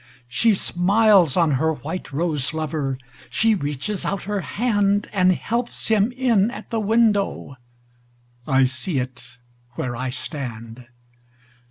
She smiles on her white rose lover, She reaches out her handAnd helps him in at the window—I see it where I stand!